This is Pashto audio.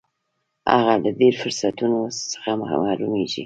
هغه له ډېرو فرصتونو څخه محرومیږي.